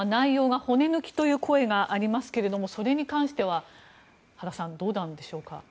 新法の政府案は、内容は骨抜きという声がありますがそれに関しては原さん、どうなんでしょうか。